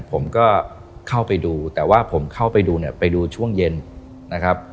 ผมก็เข้าไปดูแต่ว่าผมเข้าไปดูเนี่ยไปดูช่วงเย็นนะครับ